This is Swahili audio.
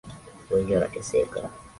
Wengi wanateseka.